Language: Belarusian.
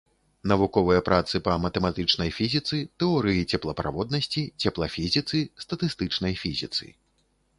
Навуковыя працы па матэматычнай фізіцы, тэорыі цеплаправоднасці, цеплафізіцы, статыстычнай фізіцы.